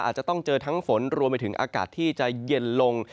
อาจจะต้องเจอทั้งฝนรวมไปถึงอากาศที่จะเย็นลง